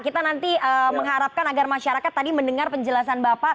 kita nanti mengharapkan agar masyarakat tadi mendengar penjelasan bapak